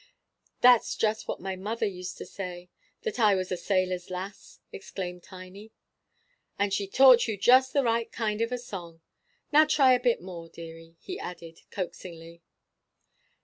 "That's just what my mother used to say that I was a sailor's lass!" exclaimed Tiny. "And she taught you just the right kind of a song. Now try a bit more, deary," he added, coaxingly.